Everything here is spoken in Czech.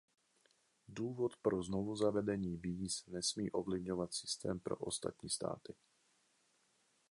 Důvod pro znovuzavedení víz nesmí ovlivňovat systém pro ostatní státy.